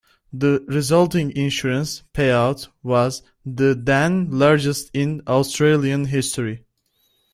The resulting insurance payout was the then largest in Australian history.